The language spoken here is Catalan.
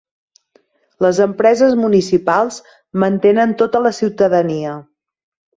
Les empreses municipals mantenen tota la ciutadania.